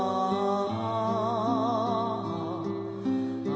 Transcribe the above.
ああ！